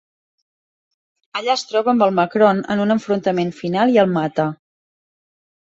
Allà es troba amb el Makron en un enfrontament final i el mata.